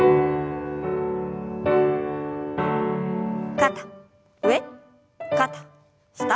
肩上肩下。